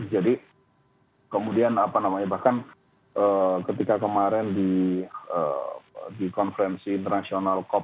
jadi kemudian bahkan ketika kemarin di konferensi internasional cop dua puluh enam